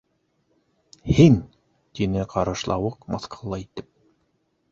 —Һин! —тине Ҡарышлауыҡ мыҫҡыллы итеп.